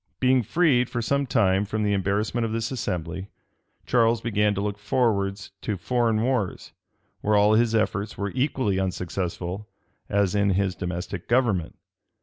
Being freed for some time from the embarrassment of this assembly, Charles began to look towards foreign wars, where all his efforts were equally unsuccessful as in his domestic government.